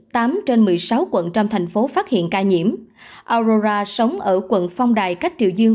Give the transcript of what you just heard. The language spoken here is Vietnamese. trong sáu quận trong thành phố phát hiện ca nhiễm aurora sống ở quận phong đài cách triều dương